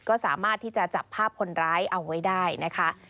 ก็สามารถที่จะจับภาพคนร้ายเอาไว้ได้นะคะ